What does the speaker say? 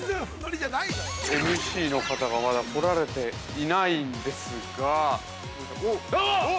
◆ＭＣの方がまだ来られていないんですが◆おっ！